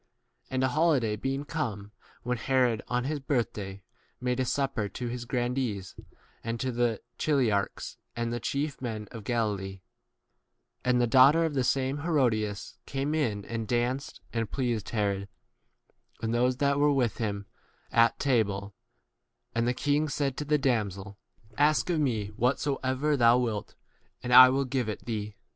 And a holiday s being come, when Herod, on his birth day, made a supper to his gran dees, and to the chiliarchs, and 22 the chief [men] of Galilee ; and the daughter of the same Herodias came in, and danced, and pleased Herod and those that were with [him] at table, and 1 the king said to the damsel, Ask of me whatsoever thou wilt and I will give it thee.